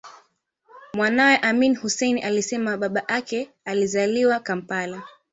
Mwanawe Amin Hussein alisema babake alizaliwa Kampala